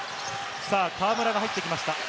河村が入ってきました。